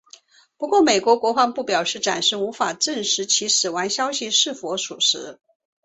不过美国国防部表示暂时无法证实其死亡消息是否属实。